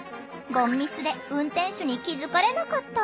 凡ミスで運転手に気付かれなかった。